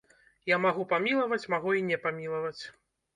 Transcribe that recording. Я магу памілаваць, магу і не памілаваць.